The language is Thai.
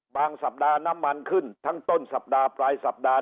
สัปดาห์น้ำมันขึ้นทั้งต้นสัปดาห์ปลายสัปดาห